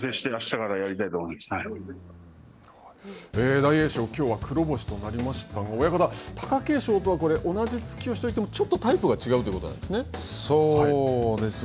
大栄翔、きょうは黒星となりましたが、親方、貴景勝とは、同じ突き押しといっても、ちょっとタイプが違うということなんですね。